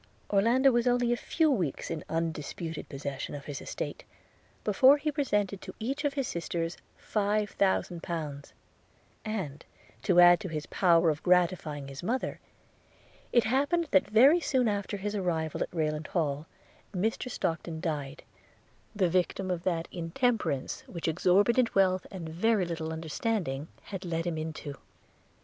Orlando was only a few weeks in undisputed possession of his estate, before he presented to each of his sisters five thousand pounds; and, to add to his power of gratifying his mother, it happened that very soon after his arrival at Rayland Hall Mr Stockton died, the victim of that intemperance which exorbitant wealth and very little understanding had led him into.